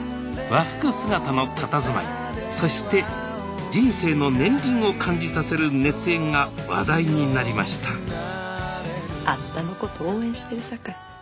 和服姿のたたずまいそして人生の年輪を感じさせる熱演が話題になりましたあんたのこと応援してるさかい。